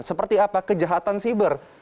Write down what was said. seperti apa kejahatan siber